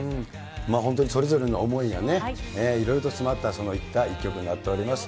本当にそれぞれの思いがいろいろと詰まった一曲になっております。